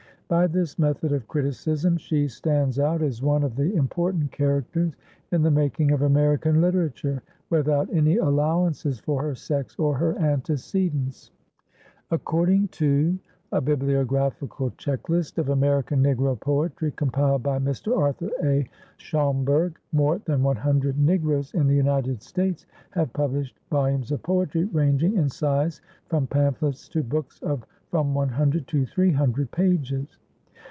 By this method of criticism she stands out as one of the important characters in the making of American literature, without any allowances for her sex or her antecedents. According to "A Bibliographical Checklist of American Negro Poetry," compiled by Mr. Arthur A. Schomburg, more than one hundred Negroes in the United States have published volumes of poetry ranging in size from pamphlets to books of from one hundred to three hundred pages.